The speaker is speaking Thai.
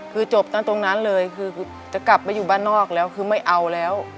คือจบตั้งตรงนั้นเลยคือจะกลับไปอยู่บ้านนอกแล้วคือไม่เอาแล้ว